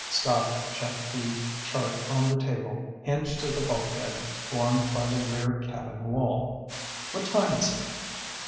Scotty checked the chart on the table hinged to the bulkhead formed by the rear cabin wall. "What time is it?"